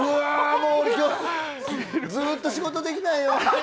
もう今日、ずっと仕事できないよ。